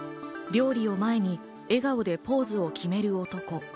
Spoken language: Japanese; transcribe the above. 料理を前に笑顔でポーズを決める男。